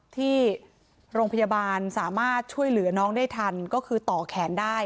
ที่โรงพยาบาลสามารถช่วยเหลือน้องได้ทันก็คือต่อแขนได้